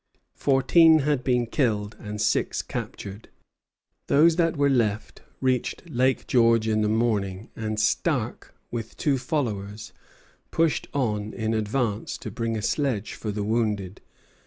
Fourteen had been killed, and six captured. Those that were left reached Lake George in the morning, and Stark, with two followers, pushed on in advance to bring a sledge for the wounded.